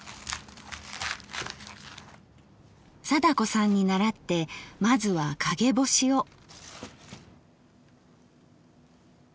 貞子さんに倣ってまずは陰干しを。